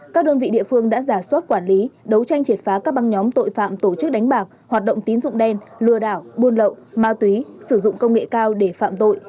các đơn vị địa phương đã giả soát quản lý đấu tranh triệt phá các băng nhóm tội phạm tổ chức đánh bạc hoạt động tín dụng đen lừa đảo buôn lậu ma túy sử dụng công nghệ cao để phạm tội